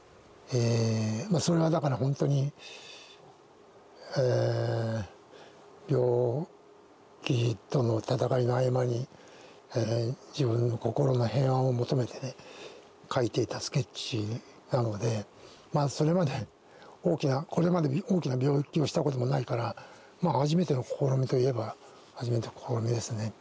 それはだからほんとに病気との闘いの合間に自分の心の平安を求めてね書いていたスケッチなのでまあそれまでこれまで大きな病気をしたこともないから初めての試みといえば初めての試みですね。